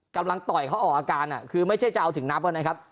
กำลังต่อยเขาออกอาการคือไม่ใช่จะเอาถึงนับนะครับ